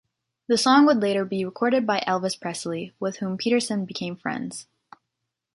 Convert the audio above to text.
The song would later be recorded by Elvis Presley, with whom Peterson became friends.